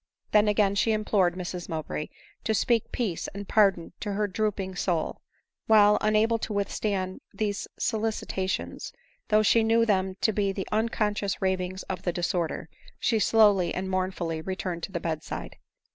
Then again she implored Mrs Mowbray to speak peace and pardon to her drooping soul ; while, unable to withstand, these solicitations, though she knew them to be the un conscious ravings of the disorder, she slowly and mourn fully returned to the bed side.